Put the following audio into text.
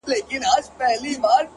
مستي. مستاني. سوخي. شنګي د شرابو لوري.